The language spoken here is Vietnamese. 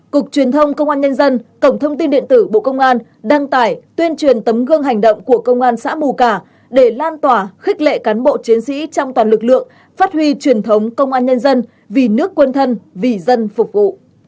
cục truyền thông công an nhân dân cổng thông tin điện tử bộ công an đăng tải tuyên truyền tấm gương hành động của công an xã mù cả để lan tỏa khích lệ cán bộ chiến sĩ trong toàn lực lượng phát huy truyền thống công an nhân dân vì nước quân thân vì dân phục vụ